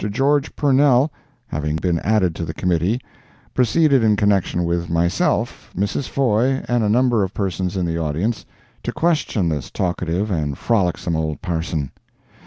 George Purnell, having been added to the committee, proceeded in connection with myself, Mrs. Foye and a number of persons in the audience, to question this talkative and frolicksome old parson.